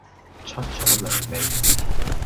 出左糧未?